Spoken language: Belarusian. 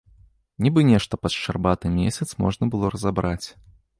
Нібы нешта пад шчарбаты месяц можна было разабраць.